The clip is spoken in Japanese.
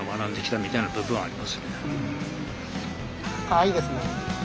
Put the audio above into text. あいいですね。